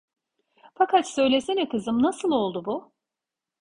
Fakat söylesene kızım, nasıl oldu bu?